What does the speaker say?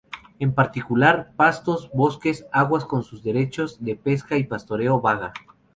En particular, pastos, bosques, aguas con sus derechos de pesca y pastoreo vaga.